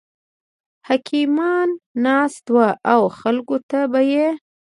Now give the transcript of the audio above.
حکیمان ناست وو او خلکو ته به یې